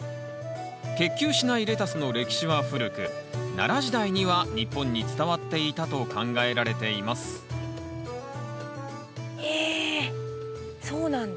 結球しないレタスの歴史は古く奈良時代には日本に伝わっていたと考えられていますへえそうなんだ。